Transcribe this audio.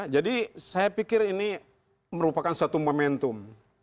jadi saya pikir ini merupakan suatu momentum